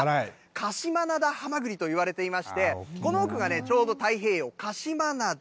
鹿島灘はまぐりといわれていまして、この奥がね、ちょうど太平洋、鹿島灘。